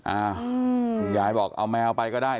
อ่าคุณยายบอกเอาแมวไปก็ได้